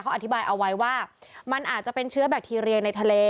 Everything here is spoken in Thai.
เขาอธิบายเอาไว้ว่ามันอาจจะเป็นเชื้อแบคทีเรียในทะเล